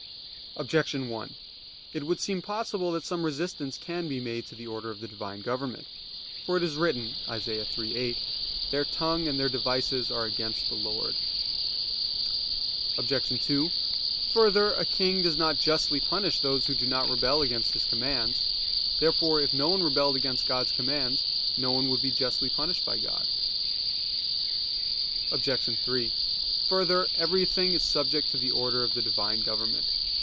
Objection 1: It would seem possible that some resistance can be made to the order of the Divine government. For it is written (Isa. 3:8): "Their tongue and their devices are against the Lord." Obj. 2: Further, a king does not justly punish those who do not rebel against his commands. Therefore if no one rebelled against God's commands, no one would be justly punished by God. Obj. 3: Further, everything is subject to the order of the Divine government.